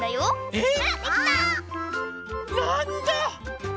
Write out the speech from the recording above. えっ？